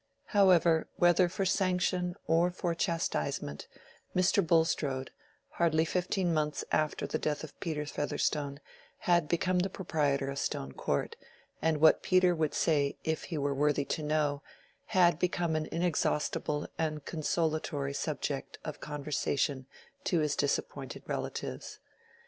However, whether for sanction or for chastisement, Mr. Bulstrode, hardly fifteen months after the death of Peter Featherstone, had become the proprietor of Stone Court, and what Peter would say "if he were worthy to know," had become an inexhaustible and consolatory subject of conversation to his disappointed relatives.